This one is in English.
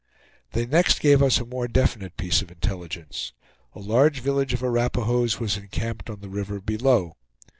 They next gave us a more definite piece of intelligence; a large village of Arapahoes was encamped on the river below.